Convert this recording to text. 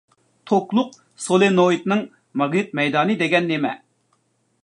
توكلۇق سولېنوئىدنىڭ ماگنىت مەيدانى دېگەن نېمە؟